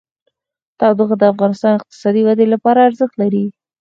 تودوخه د افغانستان د اقتصادي ودې لپاره ارزښت لري.